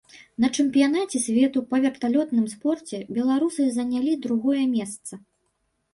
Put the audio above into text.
На чэмпіянаце свету па верталётным спорце беларусы занялі другое месца.